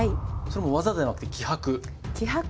それも技ではなくて気迫？